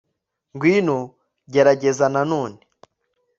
ngwino, gerageza nanone